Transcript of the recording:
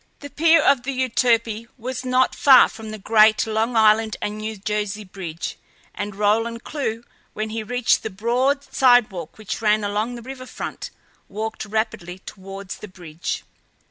The pier of the Euterpe was not far from the great Long Island and New Jersey Bridge, and Roland Clewe, when he reached the broad sidewalk which ran along the river front, walked rapidly towards the bridge.